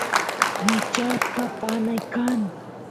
michasqa panay kan